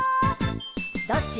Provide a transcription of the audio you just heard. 「どっち？」